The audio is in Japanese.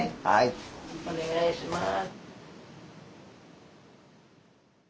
お願いします。